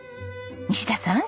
西田さん